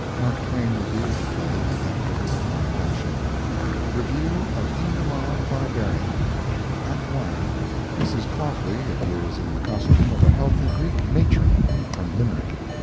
Mark Twain reviewed the play after this own fashion:] REVIEW OF "INGOMAR THE BARBARIAN" ACT. 1.—Mrs. Claughley appears in the costume of a healthy Greek matron (from Limerick).